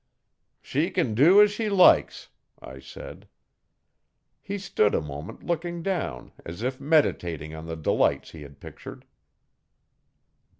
'She can do as she likes,' I said. He stood a moment looking down as if meditating on the delights he had pictured.